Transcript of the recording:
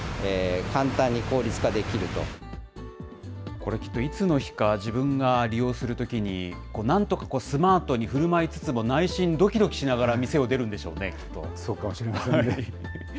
これきっといつの日か、自分が利用するときに、なんとかスマートにふるまいつつも、内心どきどきしながら店を出るんでしょうそうかもしれませんね。